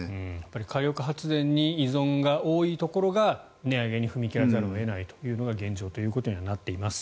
火力発電に依存が多いところが値上げに踏み切らざるを得ないというのが現状とはなっています。